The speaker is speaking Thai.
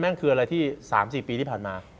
คืออะไรที่๓๔ปีที่ผ่านมา